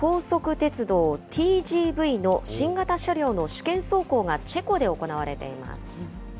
鉄道ＴＧＶの新型車両の試験走行がチェコで行われています。